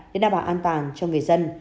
để đảm bảo an toàn cho người dân